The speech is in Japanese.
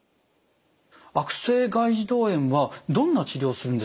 悪性外耳道炎はどんな治療をするんでしょうか？